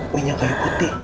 minyak kayu putih